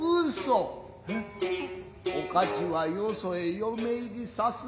おかちはよそへ嫁入りさす。